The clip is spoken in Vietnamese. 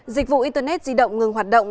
dịch vụ internet di động ngừng hoạt động